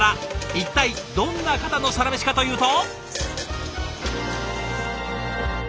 一体どんな方のサラメシかというと。